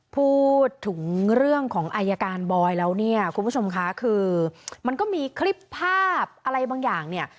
พูดถึงเรื่องของอายการบอยแล้วเนี่ยคุณผู้ชมค่ะคือมันก็มีคลิปภาพอะไรบางอย่างเนี่ย